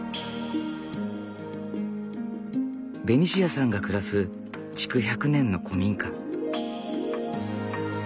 ベニシアさんが暮らす築１００年の古民家。